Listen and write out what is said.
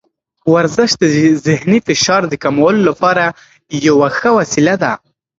ورزش د ذهني فشار د کمولو لپاره یوه ښه وسیله ده.